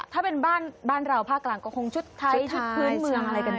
ถ้าเป็นบ้านเราภาคกลางก็คงชุดไทยชุดพื้นเมืองอะไรกันไป